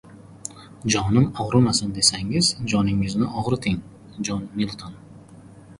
Jonim og‘rimasin desangiz joningizni og‘riting. Jon Milton